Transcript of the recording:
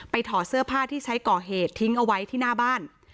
ถอดเสื้อผ้าที่ใช้ก่อเหตุทิ้งเอาไว้ที่หน้าบ้าน